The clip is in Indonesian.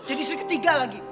jadi istri ketiga lagi